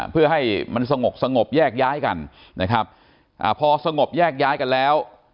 เพื่อให้มันสงบสงบแยกย้ายกันนะครับอ่าพอสงบแยกย้ายกันแล้ว